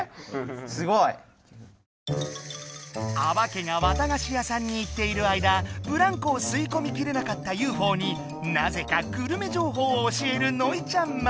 あばけがわたがし屋さんに行っている間ブランコを吸いこみきれなかったＵＦＯになぜかグルメじょうほうを教えるノイちゃん